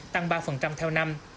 tăng ba theo năm